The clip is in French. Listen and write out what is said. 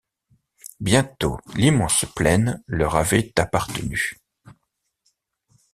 Bientôt l’immense plaine leur avait appartenu.